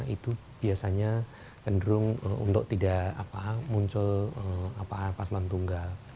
itu biasanya cenderung untuk tidak muncul paslon tunggal